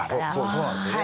そうなんですよね。